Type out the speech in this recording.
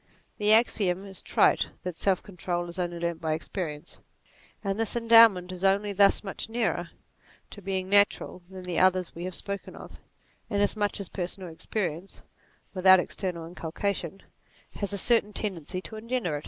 The axiom is trite that self control is only learnt by experience : and this endowment is only thus much nearer to being natural than the others we have spoken of, inasmuch as personal experience, without external inculcation, has a certain tendency to engender it.